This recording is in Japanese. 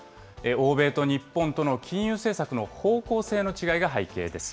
欧米と日本との金融政策の方向性の違いが背景です。